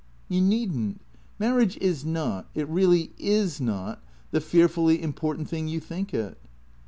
" You need n't. Marriage is not — it really is not — the fear fully important thing you think it."